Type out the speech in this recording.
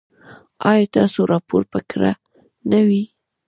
ایا ستاسو راپور به کره نه وي؟